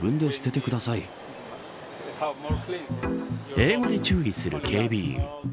英語で注意する警備員。